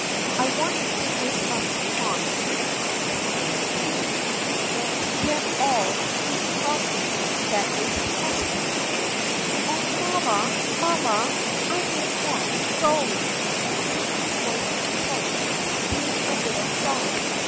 I want you to make up your mind to it, dear, and to get all the good from it that is possible." " Oh, mamma, mamma ! I don't want to go !" Sydney's voice was choked and she gave a little sob.